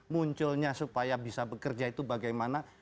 munculnya supaya bisa bekerja itu bagaimana